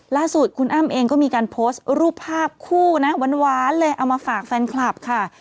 ล่าสุดคุณอ้ำเองก็มีการโพสต์รูปภาพคู่นะหวานเลยเอามาฝากแฟนคลับค่ะ